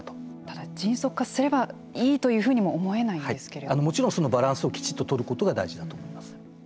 ただ、迅速化すればいいというふうにももちろん、そのバランスをきちっととることが大事だと思います。